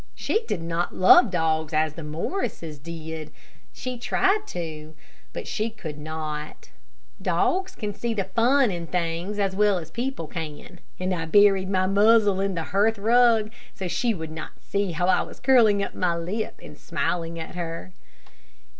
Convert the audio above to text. She did not love dogs as the Morrises did. She tried to, but she could not. Dogs can see fun in things as well as people can, and I buried my muzzle in the hearth rug, so that she would not see how I was curling up my lip and smiling at her.